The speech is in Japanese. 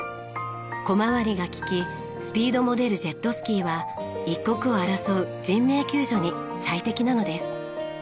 小回りが利きスピードも出るジェットスキーは一刻を争う人命救助に最適なのです。